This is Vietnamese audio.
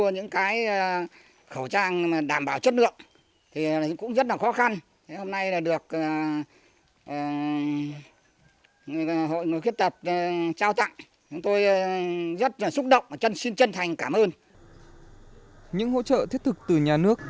những hỗ trợ thiết thực từ nhà nước